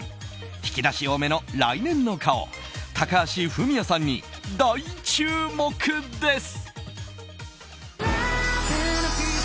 引き出し多めの来年の顔高橋文哉さんに大注目です。